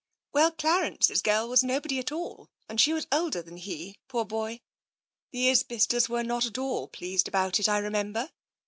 "Well, Qarence's girl was nobody at all, and she was older than he, poor boy — the Isbisters were not at all pleased about it, I remember.